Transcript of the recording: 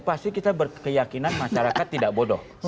pasti kita berkeyakinan masyarakat tidak bodoh